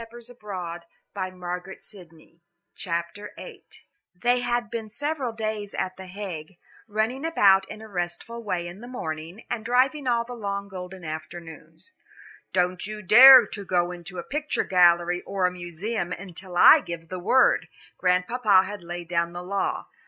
VIII "WE WILL COME AGAIN AND STAY A WEEK" They had been several days at The Hague, running about in a restful way in the morning, and driving all the long golden afternoons. "Don't you dare to go into a picture gallery or a museum until I give the word," Grandpapa had laid down the law.